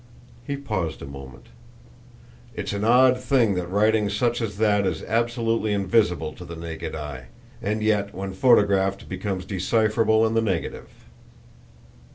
He paused a moment. "It's an odd thing that writing such as that is absolutely invisible to the naked eye, and yet when photographed becomes decipherable in the negative."